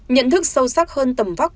nhận thức sâu sắc hơn tầm vóc